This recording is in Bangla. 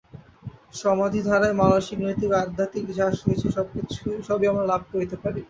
সমাধিদ্বারাই মানসিক, নৈতিক ও আধ্যাত্মিক যাহা কিছু সবই আমরা লাভ করিতে পারি।